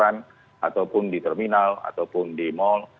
ataupun di terminal ataupun di mal